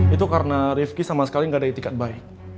itu karena rifqy sama sekali gak ada etikat baik